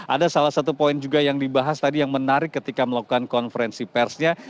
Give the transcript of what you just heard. ada salah satu poin juga yang dibahas tadi yang menarik ketika melakukan konferensi persnya